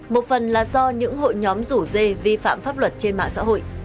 một phần là do những hội nhóm rủ dê vi phạm pháp luật trên mạng xã hội